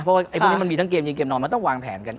เพราะว่าพวกนี้มันมีทั้งเกมยิงเกมนอนมันต้องวางแผนกัน